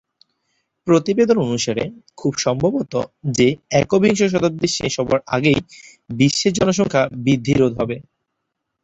প্রতিবেদন অনুসারে, খুব সম্ভবত যে একবিংশ শতাব্দীর শেষ হবার আগেই বিশ্বের জনসংখ্যা বৃদ্ধি রোধ হবে।